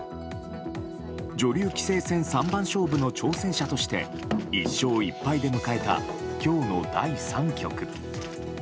女流棋聖戦三番勝負の挑戦者として１勝１敗で迎えた今日の第３局。